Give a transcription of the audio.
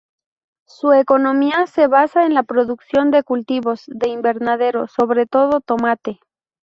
Su economía de basa en la producción de cultivos de invernadero, sobre todo tomate.